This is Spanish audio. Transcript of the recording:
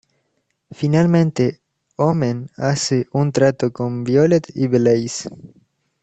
Finalmente, Omen hace un trato con Violet y Blaze.